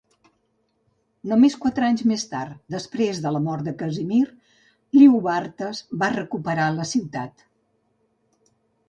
Només quatre anys més tard, després de la mort de Casimir, Liubartas va recuperar la ciutat.